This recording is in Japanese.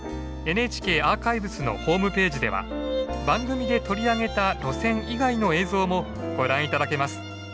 ＮＨＫアーカイブスのホームページでは番組で取り上げた路線以外の映像もご覧頂けます。